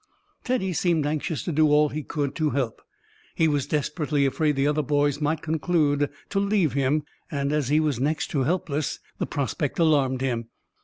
Teddy seemed anxious to do all he could to help. He was desperately afraid the other boys might conclude to leave him, and as he was next to helpless the prospect alarmed him.